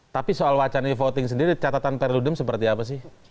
tapi soal wacana voting sendiri catatan perludem seperti apa sih